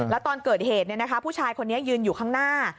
แล้วตอนเกิดเหตุผู้ชายคนนี้ยืนอยู่ข้างหน้า